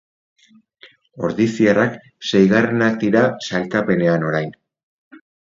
Ordiziarrak seigarrenak dira sailkapenean orain.